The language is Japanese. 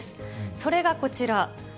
それがこちら。